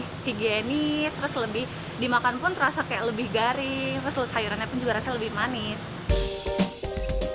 lebih higienis terus lebih dimakan pun terasa kayak lebih garing terus sayurannya pun juga rasanya lebih manis